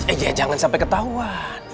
iya jangan sampai ketahuan